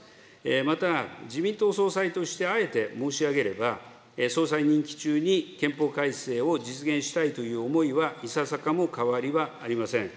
また、自民党総裁としてあえて申し上げれば、総裁任期中に憲法改正を実現したいという思いはいささかも変わりはありません。